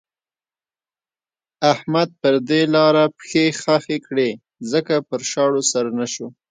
احمد پر دې لاره پښې خښې کړې ځکه پر شاړو سر نه شو.